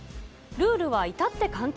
ルールはいたって簡単。